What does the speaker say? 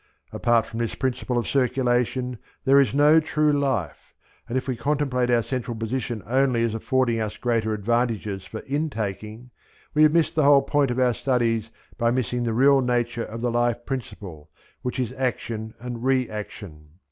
Apart from this principle of circulation there is no true life, and if we contemplate our central position only as affording us greater advantages for in taking, we have missed the whole point of our studies by missing the real nature of the Life principle, which is action and re action.